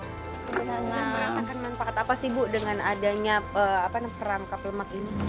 merasakan manfaat apa sih bu dengan adanya perangkap lemak ini